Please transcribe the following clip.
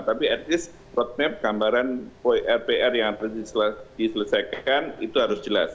tapi at is roadmap gambaran pr yang harus diselesaikan itu harus jelas